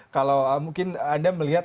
kalau mungkin anda melihat